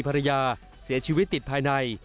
ภรรยาเสียชีวิตติดภายใน